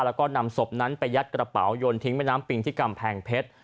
แล้วก็นำศพนั้นไปยัดกระเป๋ายนทิ้งแม่น้ำปิงที่กำแพงเพชร